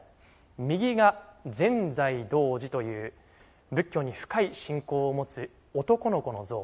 右が善財童子という仏教に深い信仰を持つ男の子の像。